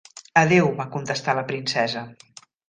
"Adeu", va contestar la princesa.